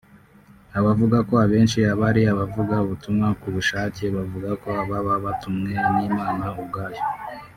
avuga ko abenshi aba ari abavuga ubutumwa ku bushake bavuga ko baba batumwe n’Imana ubwayo